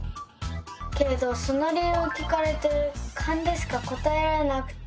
けれどその理由を聞かれてカンでしか答えられなくて。